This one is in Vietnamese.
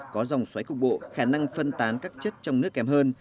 có dòng xoáy cục bộ khả năng phân tán các chất trong nước kém hơn